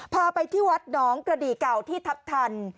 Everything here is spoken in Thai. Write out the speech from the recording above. พาไปที่วัดหนองกระดีเก่าที่ทัพทัน